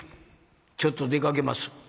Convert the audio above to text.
「ちょっと出かけます」。